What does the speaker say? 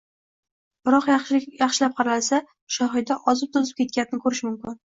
Biroq yaxshilab qaralsa, Shohida ozib-to‘zib ketganini ko‘rish mumkin